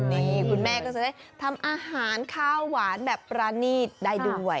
นี่คุณแม่ก็จะได้ทำอาหารข้าวหวานแบบประณีตได้ด้วย